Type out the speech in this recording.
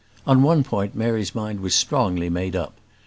On one point Mary's mind was strongly made up.